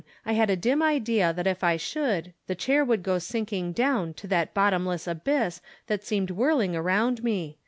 I had a dim idea that if I should, the chair would go sinking down to that bottomless abyss that seemed whirling around me.